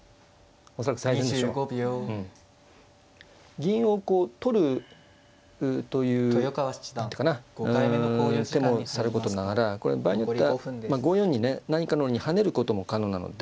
銀をこう取るという何て言うかな手もさることながらこれ場合によっては５四にね何かの折に跳ねることも可能なので。